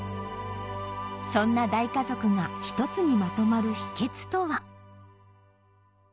そんな大家族が１つにまとまる秘訣とは？